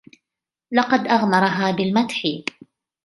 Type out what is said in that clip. لقد أغمرها بالمدح.